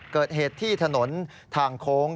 เกิดเหตุที่ถนนทางโค้ง